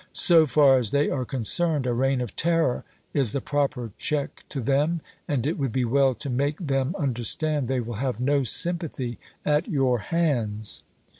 So far as they are concerned, a reign of terror is the proper check to them, and it would be well to make them understand they will have no sympathy at your hands.